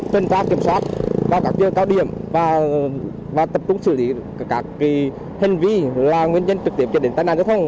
tuyên trang kiểm soát vào các vườn cao điểm và tập trung xử lý các hành vi là nguyên nhân trực tiếp dẫn đến tai nạn trái thông